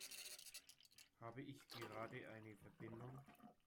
Habe ich gerade eine Verbindung?